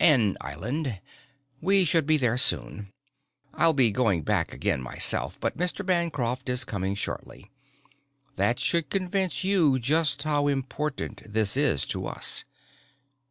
"An island. We should be there soon. I'll be going back again myself but Mr. Bancroft is coming shortly. That should convince you just how important this is to us."